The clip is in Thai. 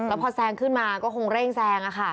แล้วพอแซงขึ้นมาก็คงเร่งแซง